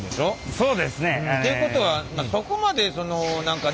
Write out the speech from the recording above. そうですね。ということはそこまでその何かね